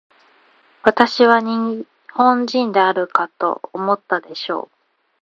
私は日本人であるかと思ったでしょう。